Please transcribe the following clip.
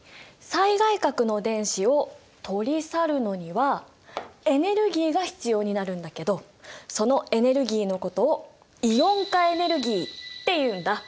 最外殻の電子を取り去るのにはエネルギーが必要になるんだけどそのエネルギーのことをイオン化エネルギーっていうんだ。